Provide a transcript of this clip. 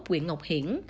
quyện ngọc hiển